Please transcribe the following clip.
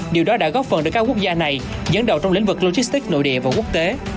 điều đó đã góp phần để các quốc gia này dẫn đầu trong lĩnh vực logistics nội địa và quốc tế